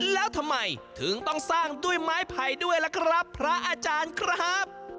แล้วทำไมถึงต้องสร้างด้วยไม้ไผ่ด้วยล่ะครับพระอาจารย์ครับ